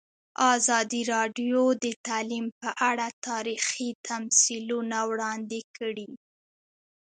ازادي راډیو د تعلیم په اړه تاریخي تمثیلونه وړاندې کړي.